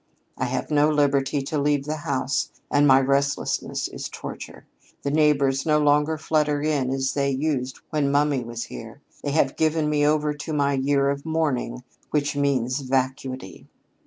I have no liberty to leave the house and my restlessness is torture. The neighbors no longer flutter in as they used when mummy was here. They have given me over to my year of mourning which means vacuity.